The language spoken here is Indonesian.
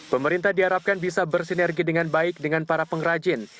pemerintah diharapkan bisa bersinergi dengan baik dengan para pengrajin